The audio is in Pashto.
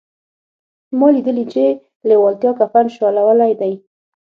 ما لیدلي چې لېوالتیا کفن شلولی دی